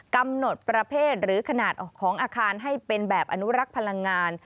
กำหนดประเภทหรือขนาดของอาคารให้เป็นแบบอนุรักษ์พลังงาน